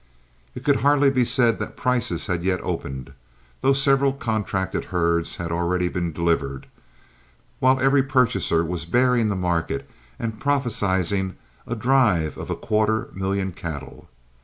It could hardly be said that prices had yet opened, though several contracted herds had already been delivered, while every purchaser was bearing the market and prophesying a drive of a quarter million cattle.